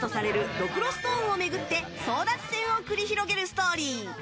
ドクロストーンを巡って争奪戦を繰り広げるストーリー。